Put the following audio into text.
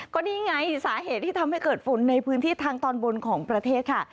ก็นี่ไงสาเหตุที่ทำให้เกิดฝนในพื้นที่ทางตอนบนของประเทศค่ะ